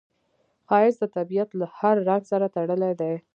ښایست د طبیعت له هر رنګ سره تړلی دی